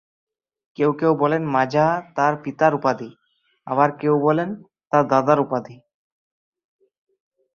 কেউ কেউ বলেন, মাজাহ তার পিতার উপাধি, আবার কেউ বলেন, তার দাদার উপাধি।